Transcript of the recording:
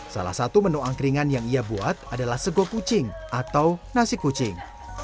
salah satu menu angkringan yang ia buat adalah sego kucing atau nasi kucing